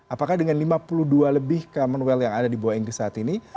apakah dengan lima puluh dua lebih commonwealth yang ada di bawah inggris saat ini